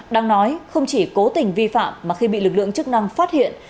đang nói không chỉ cố tình vi phạm mà khi bị lực lượng chức năng phát hiện